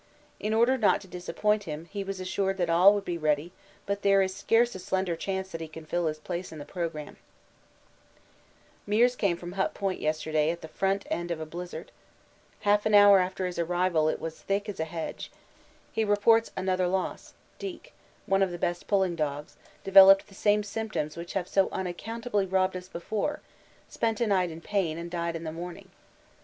In order not to disappoint him he was assured that all would be ready, but there is scarce a slender chance that he can fill his place in the programme. Meares came from Hut Point yesterday at the front end of a blizzard. Half an hour after his arrival it was as thick as a hedge. He reports another loss Deek, one of the best pulling dogs, developed the same symptoms which have so unaccountably robbed us before, spent a night in pain, and died in the morning.